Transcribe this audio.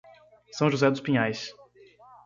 São José dos Pinhais